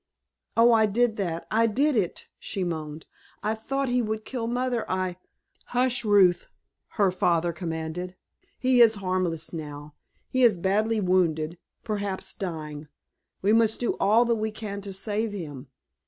"Oh, I did that, I did it," she moaned. "I thought he would kill Mother—I——" "Hush, Ruth," her father commanded. "He is harmless now. He is badly wounded—perhaps dying. We must do all that we can to save him.